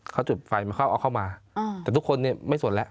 เขาจุดไฟมันเข้าเอาเข้ามาแต่ทุกคนเนี่ยไม่สนแล้ว